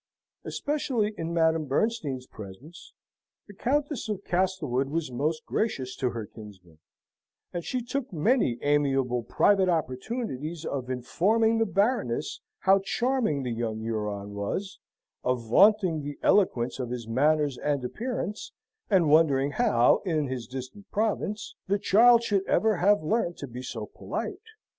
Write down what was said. Especially in Madame Bernstein's presence, the Countess of Castlewood was most gracious to her kinsman, and she took many amiable private opportunities of informing the Baroness how charming the young Huron was, of vaunting the elegance of his manners and appearance, and wondering how, in his distant province, the child should ever have learned to be so polite?